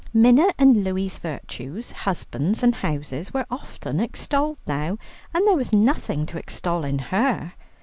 Minna and Louie's virtues, husbands, and houses were often extolled now, and there was nothing to extol in her.